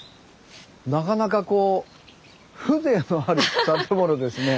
なかなかこう風情のある建物ですね。